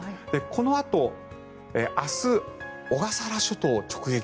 このあと明日小笠原諸島を直撃。